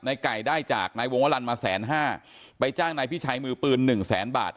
ไก่ได้จากนายวงวลันมาแสนห้าไปจ้างนายพิชัยมือปืนหนึ่งแสนบาท